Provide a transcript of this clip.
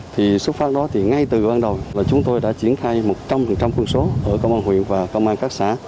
thì xuất phát đó thì ngay từ ban đầu là chúng tôi đã triển khai một trăm linh quân số ở công an huyện và công an các xã